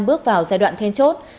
bước vào giai đoạn then chốt